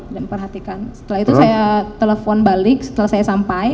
dan perhatikan setelah itu saya telepon balik setelah saya sampai